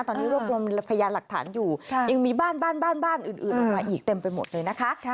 ตอนนี้รวบรวมพยานหลักฐานอยู่ยังมีบ้านบ้านอื่นออกมาอีกเต็มไปหมดเลยนะคะ